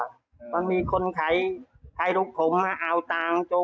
ถ้าไม่มีกินยังไงก็ต้องมาเมืองไทยอีกนั่นแหละ